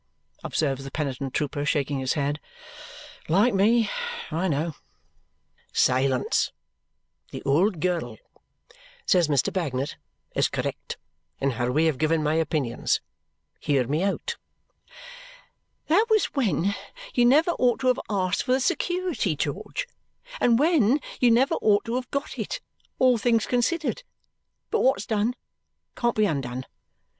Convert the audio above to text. observes the penitent trooper, shaking his head. "Like me, I know." "Silence! The old girl," says Mr. Bagnet, "is correct in her way of giving my opinions hear me out!" "That was when you never ought to have asked for the security, George, and when you never ought to have got it, all things considered. But what's done can't be undone.